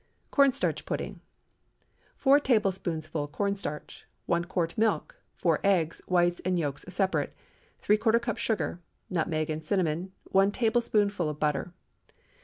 CORN STARCH PUDDING. ✠ 4 tablespoonfuls corn starch. 1 quart milk. 4 eggs—whites and yolks separate. ¾ cup sugar. Nutmeg and cinnamon. 1 tablespoonful butter.